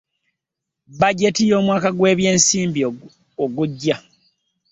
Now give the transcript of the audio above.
Bajeti yomwaka gw'ebyensimbi ogujja.